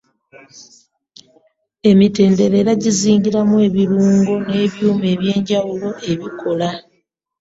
Emitendera era gizingiramu ebirungo n’ebyuma eby’enjawulo ebikola.